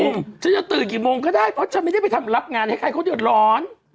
ฉันจะตื่นกี่โมงก็ได้เพราะฉันไม่ได้ไปทำรับงานให้ใครเขาเดือดร้อน